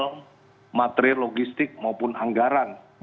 untuk material logistik maupun anggaran